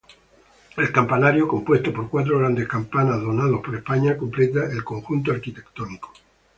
El campanario compuesto por cuatro grandes campanas, donado por España, completa el conjunto arquitectónico.